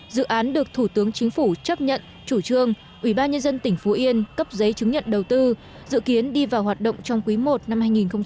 dự án được thủ tướng chính phủ chấp nhận chủ trương ủy ban nhân dân tỉnh phú yên cấp giấy chứng nhận đầu tư dự kiến đi vào hoạt động trong quý i năm hai nghìn hai mươi